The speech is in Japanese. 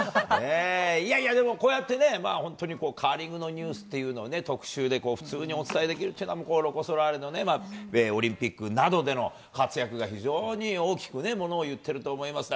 いやいや、でもこうやってね、本当にカーリングのニュースっていうのを特集で普通にニュースでお伝えできるっていうのは、もうロコ・ソラーレのね、オリンピックなどでの活躍が非常に大きくね、ものをいってると思います。